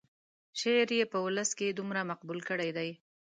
شعر یې په ولس کې دومره مقبول کړی دی.